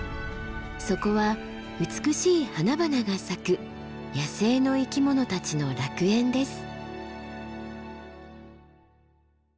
そこは美しい花々が咲く野生の生き物たちの楽園です。